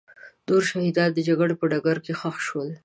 نور شهیدان د جګړې په ډګر کې ښخ شول.